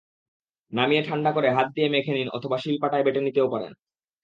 নামিয়ে ঠান্ডা করে হাত দিয়ে মেখে নিন অথবা শিল-পাটায় বেটে নিতেও পারেন।